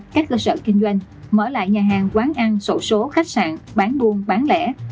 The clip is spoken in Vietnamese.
các cơ sở kinh doanh mở lại nhà hàng quán ăn sổ số khách sạn bán buôn bán lẻ